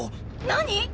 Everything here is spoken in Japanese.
何？